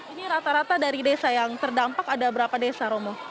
ini rata rata dari desa yang terdampak ada berapa desa romo